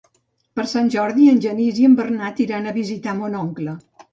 Per Sant Jordi en Genís i en Bernat iran a visitar mon oncle.